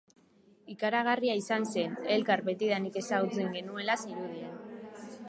Ikaragarria izan zen, elkar betidanik ezagutzen genuela zirudien.